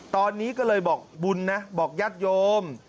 ตอนนี้ก็เลยบอกบุญนะบอกญาติโยม